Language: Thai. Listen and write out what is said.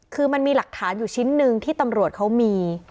คือมันมีหลักฐานอยู่ชิ้นหนึ่งที่ตำรวจเขามี